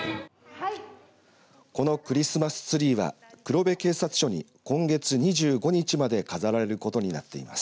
このクリスマスツリーは黒部警察署に今月２５日まで飾られることになっています。